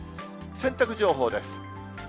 洗濯情報です。